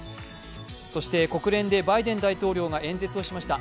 そして国連でバイデン大統領が演説をしました。